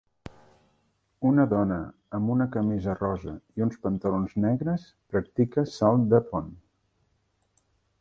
Una dona amb una camisa rosa i uns pantalons negres practica salt de pont.